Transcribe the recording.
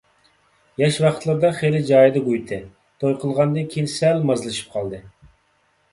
ياش ۋاقىتلىرىدا خېلى جايىدا گۇيتى، توي قىلغاندىن كېيىن سەل مازلىشىپ قالدى.